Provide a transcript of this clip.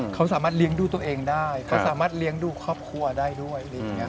เขาสามารถเลี้ยงดูตัวเองได้เขาสามารถเลี้ยงดูครอบครัวได้ด้วยอะไรอย่างนี้